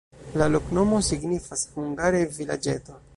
La loknomo signifas hungare: vilaĝeto.